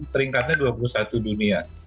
peringkatnya dua puluh satu dunia